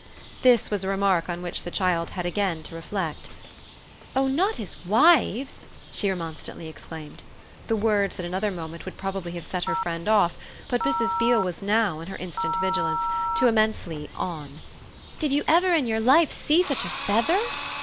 This was a remark on which the child had again to reflect. "Oh not his WIVES!" she remonstrantly exclaimed. The words at another moment would probably have set her friend "off," but Mrs. Beale was now, in her instant vigilance, too immensely "on." "Did you ever in your life see such a feather?"